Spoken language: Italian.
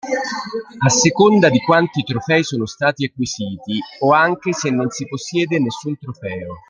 A seconda di quanti trofei sono stati acquisiti, o anche se non si possiede nessun trofeo.